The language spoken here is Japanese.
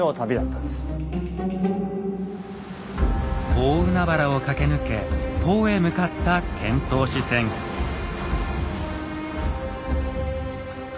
大海原を駆け抜け唐へ向かった遣唐使船。